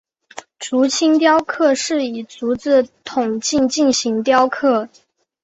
竹青雕刻是以竹子筒茎进行雕刻。